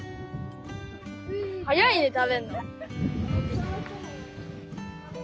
速いね食べんの。